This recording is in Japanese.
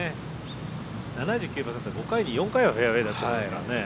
７９％って５回に４回はフェアウエーになってますからね。